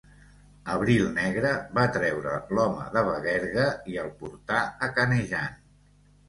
Abril negre va treure l'home de Bagergue i el portà a Canejan.